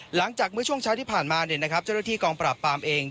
หลังจากเมื่อช่วงเช้าที่ผ่านมาเจ้าหน้าที่กองปราบปรามเอง